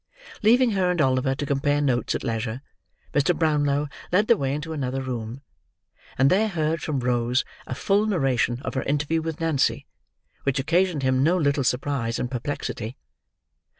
Leaving her and Oliver to compare notes at leisure, Mr. Brownlow led the way into another room; and there, heard from Rose a full narration of her interview with Nancy, which occasioned him no little surprise and perplexity.